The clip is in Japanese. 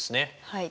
はい。